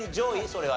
それは。